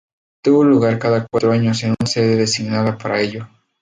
Tuvo lugar cada cuatro años en una sede designada para ello.